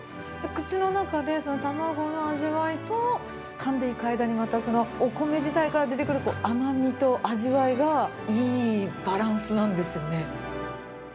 口の中でその卵の味わいとかんでいく間に、またそのお米自体から出てくる甘みと味わいがいいバランスなんですね。